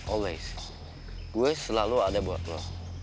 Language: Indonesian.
always gue selalu ada buat lo